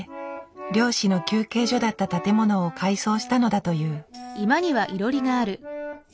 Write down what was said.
漁師の休憩所だった建物を改装したのだという。